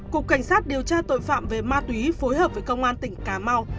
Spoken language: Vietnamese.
cục cảnh sát điều tra tội phạm về ma túy phối hợp với công an tỉnh cà mau